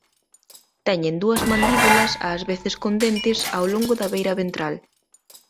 Teñen dúas mandíbulas ás veces con dentes ao longo da beira ventral.